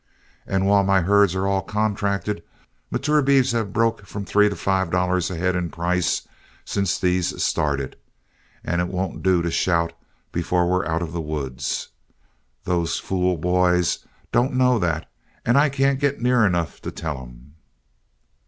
And while my herds are all contracted, mature beeves have broke from three to five dollars a head in price since these started, and it won't do to shout before we're out of the woods. Those fool boys don't know that, and I can't get near enough to tell them."